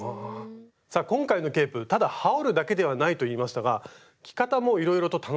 さあ今回のケープただ羽織るだけではないと言いましたが着方もいろいろと楽しめるんです。